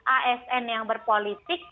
asn yang berpolitik